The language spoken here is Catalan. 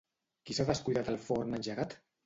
Qui s'ha descuidat el forn engegat?